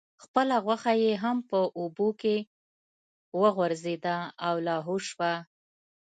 خپله غوښه یې هم په اوبو کې وغورځیده او لاهو شوه.